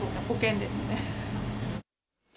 保険ですね。